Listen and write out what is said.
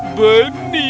dan menabur benih